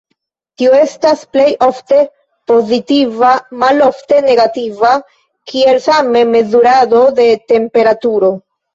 Tio estas plej ofte pozitiva, malofte negativa, kiel same mezurado de temperaturo.